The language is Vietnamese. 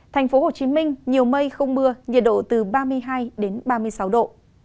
thành phố hồ chí minh nhiều mây không mưa nhiệt độ từ ba mươi hai ba mươi sáu độ